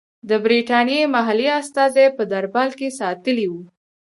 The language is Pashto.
د برټانیې محلي استازی په دربار کې ساتلی وو.